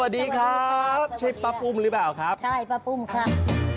สวัสดีครับใช่ป้าปุ้มหรือเปล่าครับใช่ป้าปุ้มครับ